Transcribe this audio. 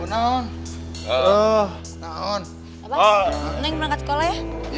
neng berangkat sekolah ya